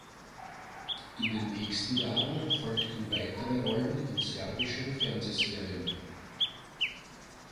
In den nächsten Jahren folgten weitere Rollen in serbischen Fernsehserien.